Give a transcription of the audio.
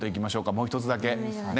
もう一つだけ。